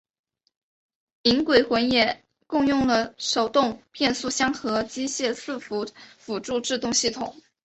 银鬼魂也共用了手动变速箱和机械伺服辅助制动系统。